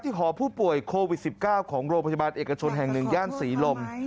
หอผู้ป่วยโควิด๑๙ของโรงพยาบาลเอกชนแห่ง๑ย่านศรีลม